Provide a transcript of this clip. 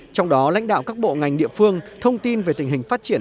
trong đó lãnh đạo các bộ ngành địa phương thông tin về tình hình phát triển